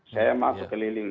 saya masuk keliling